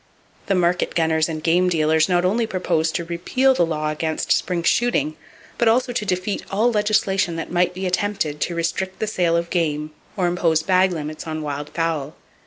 The market gunners and game dealers not only proposed to repeal the law against spring shooting but also to defeat all legislation that might be attempted to restrict the sale of game, or impose bag limits on wild fowl.